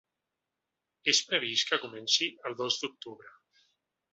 És previst que comenci el dos d’octubre.